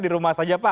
di rumah saja pak